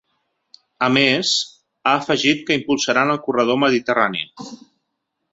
A més, ha afegit que impulsaran el corredor mediterrani.